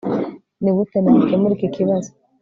Nigute nakemura iki kibazo